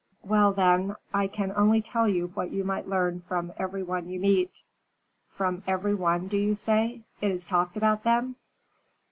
"Well, then, I can only tell you what you might learn from every one you meet." "From every one, do you say? It is talked about, then!"